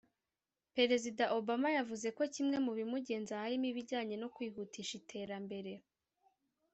Perezida Obama yavuze ko kimwe mu bimugenza harimo ibijyanye no kwihutisha iterambere